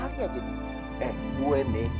nanti kita berdua ngejagain